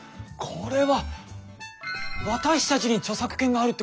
これは私たちに著作権があるってことですね！